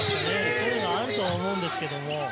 そういうのあると思うんですけれど。